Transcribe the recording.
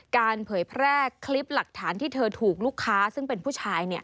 เผยแพร่คลิปหลักฐานที่เธอถูกลูกค้าซึ่งเป็นผู้ชาย